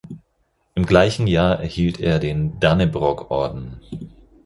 Im gleichen Jahr erhielt er den Dannebrog-Orden.